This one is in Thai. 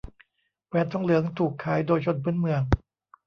แหวนทองเหลืองถูกขายโดยชนพื้นเมือง